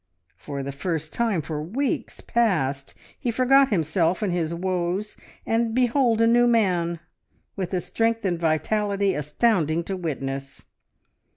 For the first time for weeks past he forgot himself and his woes, and behold a new man, with a strength and vitality astounding to witness.